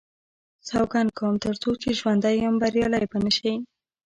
سوګند کوم تر څو چې ژوندی یم بریالی به نه شي.